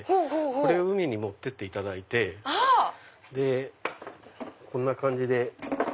これを海に持ってっていただいてこんな感じで。